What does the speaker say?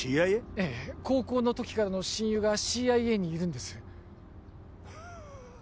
ええ高校の時からの親友がＣＩＡにいるんです